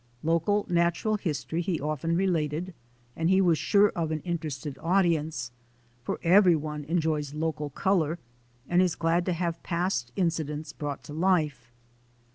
Local natural history he often related, and he was sure of an interested audience, for everyone enjoys local colour and is glad to have past incidents brought to life.